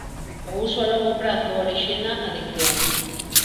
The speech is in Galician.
O uso a longo prazo orixina adicción.